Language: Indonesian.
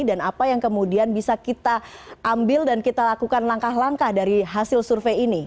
dan apa yang kemudian bisa kita ambil dan kita lakukan langkah langkah dari hasil survei ini